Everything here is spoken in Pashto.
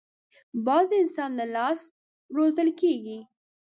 باز د انسان له لاس روزل کېږي